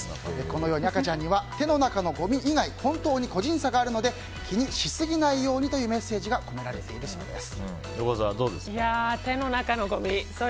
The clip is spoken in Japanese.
このように赤ちゃんには手の中のごみ以外本当に個人差があるので気にしすぎないようにというメッセージが込められているそうです。